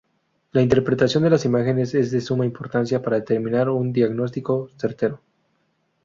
La interpretación de las imágenes es de suma importancia para determinar un diagnóstico certero.